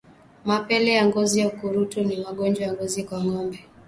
Mapele ya ngozi na ukurutu ni magonjwa ya ngozi kwa ngombe